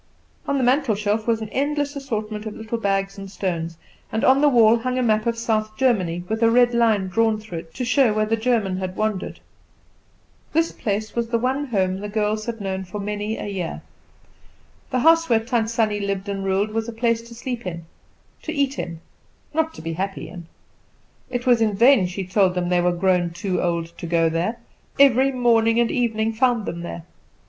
On the mantelshelf was an endless assortment of little bags and stones; and on the wall hung a map of South Germany, with a red line drawn through it to show where the German had wandered. This place was the one home the girls had known for many a year. The house where Tant Sannie lived and ruled was a place to sleep in, to eat in, not to be happy in. It was in vain she told them they were grown too old to go there; every morning and evening found them there.